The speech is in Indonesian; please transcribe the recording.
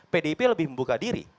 pdip lebih membuka diri